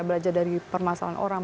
belajar dari permasalahan orang